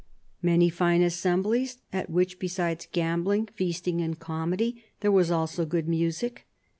" Many fine assemblies, at which, besides gambling, feasting, and comedy, there was also good music.